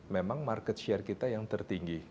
memang market share kita yang tertinggi